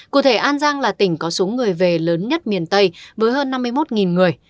cụ thể an giang là tỉnh có số người về lớn nhất miền tây với hơn năm mươi một người